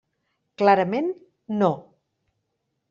Clarament, no.